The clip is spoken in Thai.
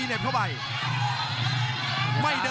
คมทุกลูกจริงครับโอ้โห